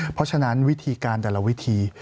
เพราะฉะนั้นวิธีการแต่ละวิธี